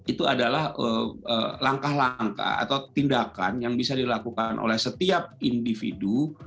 itu adalah langkah langkah atau tindakan yang bisa dilakukan oleh setiap individu